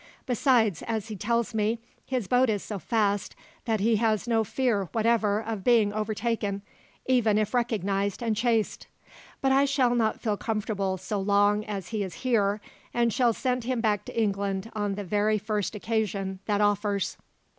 Besides, as he tells me, his boat is so fast that he has no fear whatever of being overtaken, even if recognized and chased. But I shall not feel comfortable so long as he is here, and shall send him back to England on the very first occasion that offers."